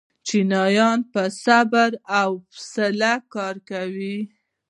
چینایان په صبر او حوصله کار کوي.